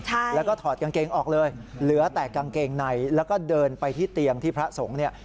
ใช่แล้วก็ถอดกางเกงออกเลยเหลือแต่กางเกงในแล้วก็เดินไปที่เตียงที่พระสงฆ์เนี่ย